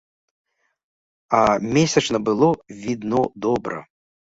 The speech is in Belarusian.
А месячна было, відно добра.